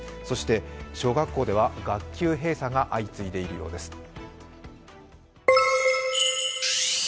そして小学校では学級閉鎖が相次いでいるようです。